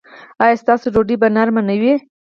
ایا ستاسو ډوډۍ به نرمه نه وي؟